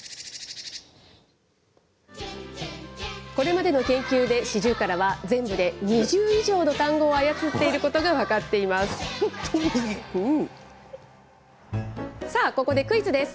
これまでの研究で、シジュウカラは全部で２０以上の単語を操って本当に？さあ、ここでクイズです。